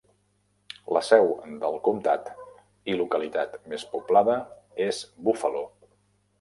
La seu del comtat i localitat més poblada és Buffalo.